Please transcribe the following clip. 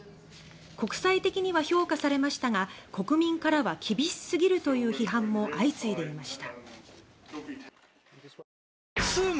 国際的には評価されましたが国民からは厳しすぎるという批判も相次いでいました。